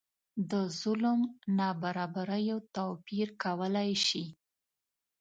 د ظلم نابرابریو توپیر کولای شي.